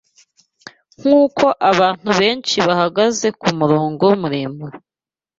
Nkuko abantu benshi bahagaze kumurongo muremure